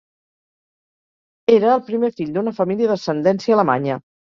Era el primer fill d'una família d'ascendència alemanya.